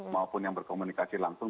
maupun yang berkomunikasi langsung